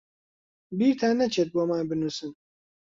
بیرتان نەچێت بۆمان بنووسن.